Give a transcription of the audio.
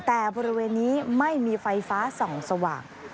แต่บริเวณนี้ไม่มีไฟฟ้าส่องสว่าง